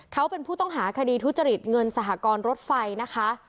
เขาเป็นผู้ต้องหาคดีทุจริตเงินสหกรณ์รถไฟนะคะ